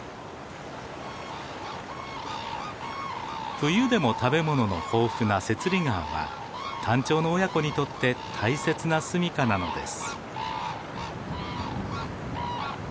冬でも食べ物の豊富な雪裡川はタンチョウの親子にとって大切なすみかなのです。